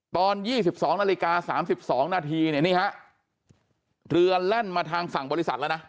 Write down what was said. ตอน๒๒นาฬิกา๓๒นาทีเรือแล่นมาทางฝั่งบริษัทแล้วนะ